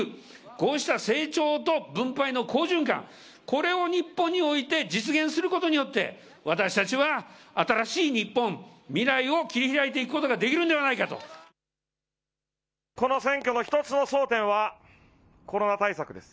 こうした成長と分配の好循環、これを日本において実現することによって、私達は新しい日本、未来を切り開いていくことがこの選挙のひとつの争点は、コロナ対策です。